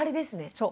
そう。